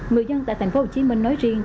người dân tại tp hcm nói riêng